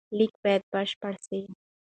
لیک باید بشپړ سي.